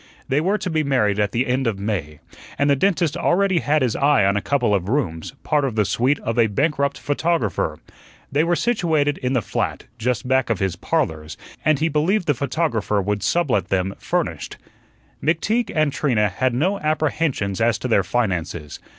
They were to be married at the end of May, and the dentist already had his eye on a couple of rooms, part of the suite of a bankrupt photographer. They were situated in the flat, just back of his "Parlors," and he believed the photographer would sublet them furnished. McTeague and Trina had no apprehensions as to their finances.